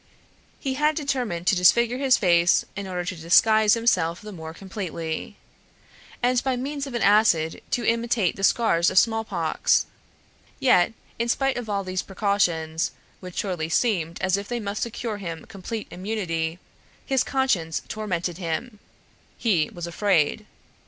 He had determined to disfigure his face in order to disguise himself the more completely, and by means of an acid to imitate the scars of smallpox. Yet, in spite of all these precautions, which surely seemed as if they must secure him complete immunity, his conscience tormented him; he was afraid.